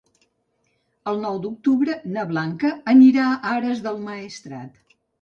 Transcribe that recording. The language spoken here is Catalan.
El nou d'octubre na Blanca anirà a Ares del Maestrat.